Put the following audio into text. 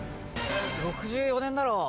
６４年だろ。